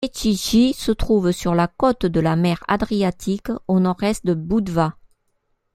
Bečići se trouve sur la côte de la mer Adriatique, au nord-est de Budva.